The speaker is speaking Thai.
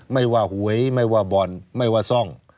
ไม่ว่าหวยไม่ว่าบ่อนไม่ว่าซ่อง